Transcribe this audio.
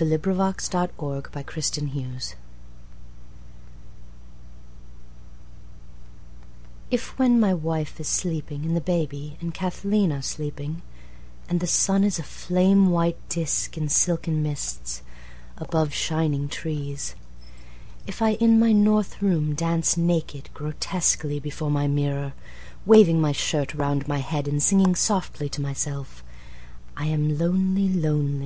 William Carlos Williams Danse Russe IF when my wife is sleeping and the baby and Kathleen are sleeping and the sun is a flame white disc in silken mists above shining trees, if I in my north room dance naked, grotesquely before my mirror waving my shirt round my head and singing softly to myself: "I am lonely, lonely.